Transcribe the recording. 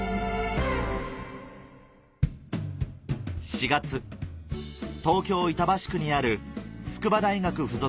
４月東京・板橋区にある筑波大学附属